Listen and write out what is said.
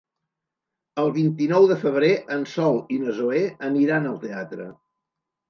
El vint-i-nou de febrer en Sol i na Zoè aniran al teatre.